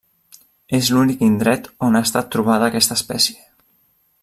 És l'únic indret a on ha estat trobada aquesta espècie.